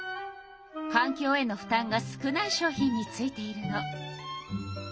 かんきょうへの負たんが少ない商品についているの。